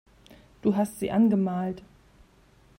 Du hast sie angemalt.